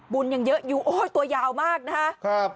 บุญยังเยอะอยู่โอ้ยตัวยาวมากนะครับ